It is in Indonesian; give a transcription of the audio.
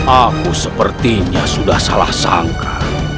aku sepertinya sudah salah sangka